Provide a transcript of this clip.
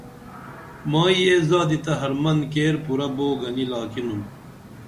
مائی یہ زادی تہ حرمن کیر پُرہ بو گنی لاکِنُم